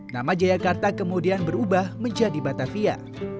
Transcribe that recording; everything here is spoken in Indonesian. nama jayakarta kemudian berubah menjadi batavia